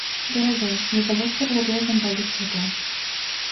Дорогой, не забудь перед отъездом полить цветы.